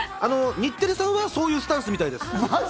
日テレさんはそういうスタンスみたいです。